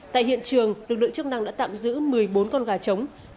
tại hiện trường lực lượng chức năng đã tạm giữ một mươi bốn con gà trống